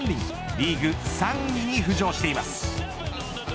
リーグ３位に浮上しています。